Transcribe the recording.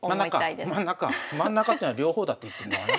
真ん中っていうのは両方だって言ってんのかな？